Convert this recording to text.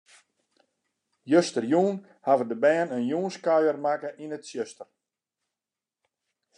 Justerjûn hawwe de bern in jûnskuier makke yn it tsjuster.